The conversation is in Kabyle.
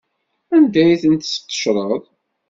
Anda ay ten-tesqecreḍ?